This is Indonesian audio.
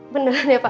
beneran ya pak